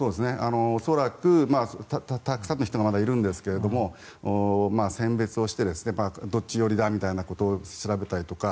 恐らくたくさんの人がまだいるんですけれども選別をしてどっち寄りだみたいなことを調べたりだとか